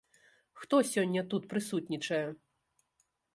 Хто сёння тут прысутнічае?